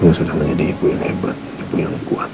ibu sudah menjadi ibu yang hebat ibu yang kuat